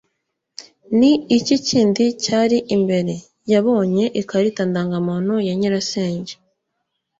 ni iki kindi cyari imbere. yabonye ikarita ndangamuntu ya nyirasenge